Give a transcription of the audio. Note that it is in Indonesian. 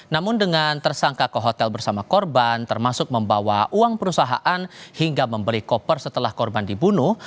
namun dengan tersangka ke hotel bersama korban termasuk membawa uang perusahaan hingga membeli koper setelah korban dibunuh